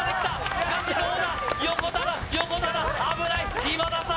しかしどうだ横田だ横田だ危ない今田さん